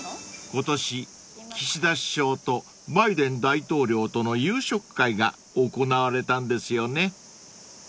［今年岸田首相とバイデン大統領との夕食会が行われたんですよね］